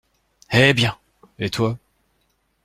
Eh bien ! et toi ?